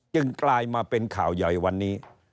กลายมาเป็นข่าวใหญ่วันนี้